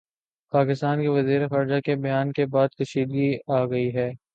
پاکستان کے وزیر خارجہ کے بیان کے بعد کشیدگی آگئی ہے